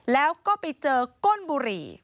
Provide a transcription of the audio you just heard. แล้วก็ไปเจอก้นบุหรี่